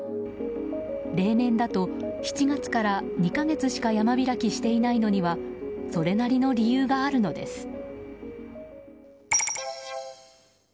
例年だと７月から２か月しか山開きしていないのにはそれなりの理由があるのです。